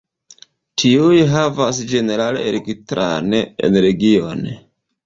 Tiuj havas ĝenerale elektran energion.